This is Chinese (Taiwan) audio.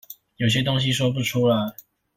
有些東西說不出來